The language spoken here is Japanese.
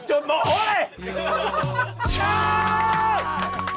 おい！